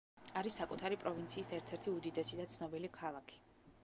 არის საკუთარი პროვინციის ერთ-ერთი უდიდესი და ცნობილი ქალაქი.